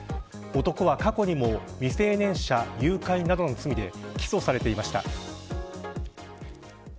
男は過去にも未成年者誘拐などの罪で起訴されていました。